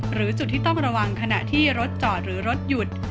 หรือจุดที่ต้องระวังขณะที่รถจอดหรือรถหยุด